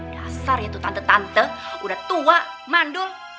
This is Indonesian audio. dasar ya tuh tante tante udah tua mandul